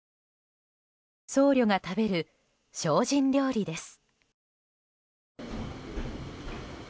僧侶が食べる精進料理です。